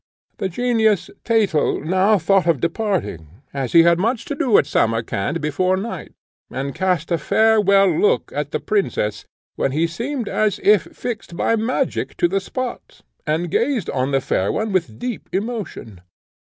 "The genius, Thetel, now thought of departing, as he had much to do at Samarcand before night, and cast a farewell look at the princess, when he seemed as if fixed by magic to the spot, and gazed on the fair one with deep emotion.